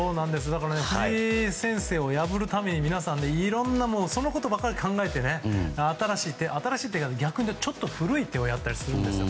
藤井先生を破るために皆さん、いろんなそのことばかり考えて新しい手というか逆に言うとちょっと古い手をやったりするんですよ。